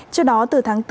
trước đó từ tháng bốn